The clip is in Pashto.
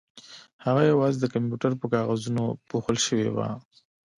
هغه یوازې د کمپیوټر په کاغذونو پوښل شوې وه